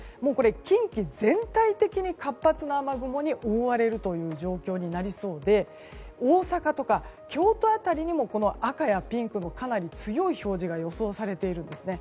近畿が全体的に活発な雨雲に覆われる状況になりそうで大阪とか京都辺りにも赤やピンクのかなり強い表示が予想されているんですね。